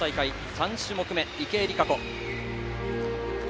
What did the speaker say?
３種目め、池江璃花子。